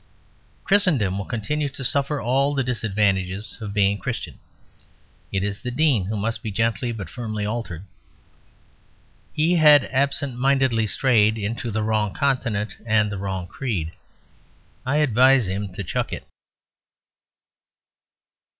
Christendom will continue to suffer all the disadvantages of being Christian: it is the Dean who must be gently but firmly altered. He had absent mindedly strayed into the wrong continent and the wrong creed. I advise him to chuck it.